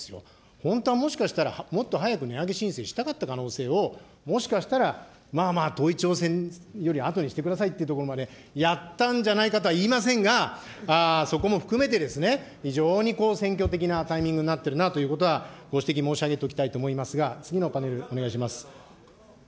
本当はもしかしたら、もっと早く値上げ申請したかった可能性を、もしかしたら、まあまあ統一地方選よりあとにしてくださいってところまでやったんじゃないかとは言いませんが、そこも含めてですね、非常に選挙的なタイミングになってるなということはご指摘申し上げておきたいと思いますが、次のパネルお願いします。